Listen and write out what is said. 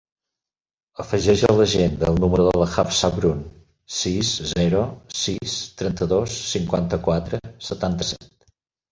Afegeix a l'agenda el número de la Hafsa Brun: sis, zero, sis, trenta-dos, cinquanta-quatre, setanta-set.